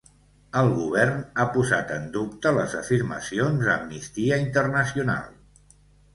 El govern ha posat en dubte les afirmacions d'Amnistia Internacional.